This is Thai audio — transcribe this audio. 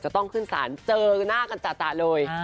ต้องขึ้นศาลเจอหน้ากันจ่ะเลย